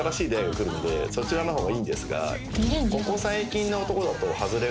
そちらの方がいいんですが。